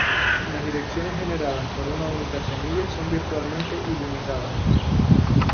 Las direcciones generadas por una única semilla son virtualmente ilimitadas.